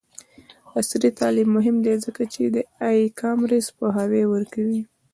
عصري تعلیم مهم دی ځکه چې د ای کامرس پوهاوی ورکوي.